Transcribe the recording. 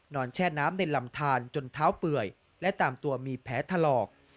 แช่น้ำในลำทานจนเท้าเปื่อยและตามตัวมีแผลถลอก